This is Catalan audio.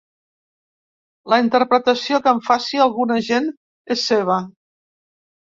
La interpretació que en faci alguna gent és seva.